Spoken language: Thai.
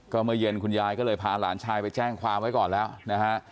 ก็เมื่อเย็นคุณยายก็เลยพาหลานชายไปแจ้งความไว้ก่อนแล้วนะฮะ